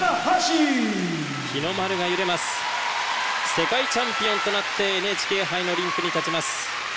世界チャンピオンとなってＮＨＫ杯のリンクに立ちます。